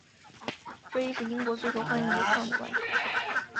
这亦是英国最受欢迎的丧礼挽曲。